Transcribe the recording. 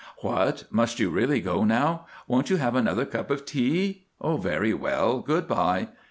What! must you really go now; won't you have another cup of tea? Very well, good bye."